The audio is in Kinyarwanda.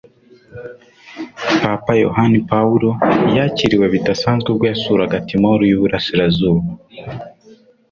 Papa Yohani Pawulo yakiriwe bidasanzwe ubwo yasuraga Timoru y'Uburasirazuba